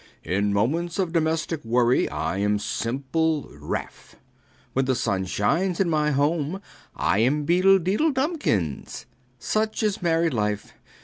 In moments of domestic worry, I am simple Ralph. When the sun shines in the home, I am Beedle Deedle Dumkins. Such is married life!